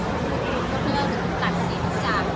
ช่องความหล่อของพี่ต้องการอันนี้นะครับ